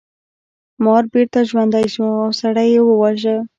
مار بیرته ژوندی شو او سړی یې وواژه.